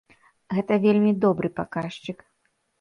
Гэта вельмі добры паказчык.